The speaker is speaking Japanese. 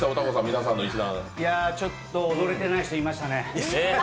ちょっと踊れてない人がいましたね。